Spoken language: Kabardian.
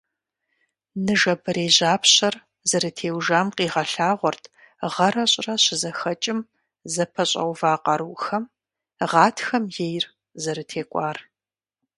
Ныжэбэрей жьапщэр зэрытеужам къигъэлъагъуэрт гъэрэ щӀырэ щызэхэкӀым зэпэщӀэува къарухэм гъатхэм ейр зэрытекӀуар.